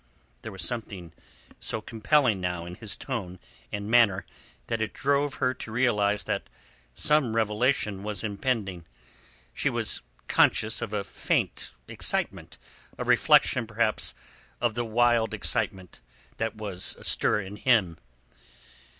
There was something so compelling now in his tone and manner that it drove her to realize that some revelation was impending. She was conscious of a faint excitement, a reflection perhaps of the wild excitement that was astir in him.